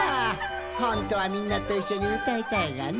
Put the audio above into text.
ほんとはみんなといっしょにうたいたいがな。